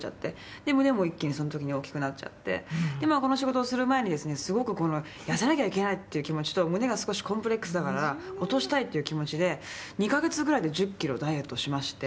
「で胸も一気にその時に大きくなっちゃって」「この仕事をする前にですねすごく痩せなきゃいけないっていう気持ちと胸が少しコンプレックスだから落としたいっていう気持ちで２カ月ぐらいで１０キロダイエットしまして」